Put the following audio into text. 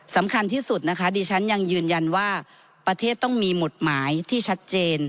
สำคัญที่สุดนะคะดิฉันยังยืนยันว่าประเทศต้องมีหมุดหมายที่ชัดเจน